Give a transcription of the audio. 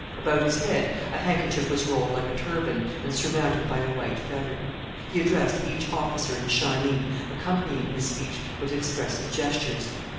About his head a handkerchief was rolled like a turban, and surmounted by a white feather. He addressed each officer in Shawnee, accompanying his speech with expressive gestures.